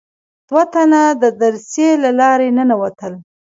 دوه تنه د دريڅې له لارې ننوتل.